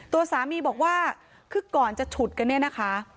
ตัวสามีบอกว่าคือก่อนจะฉุดกันเนี่ยนะคะ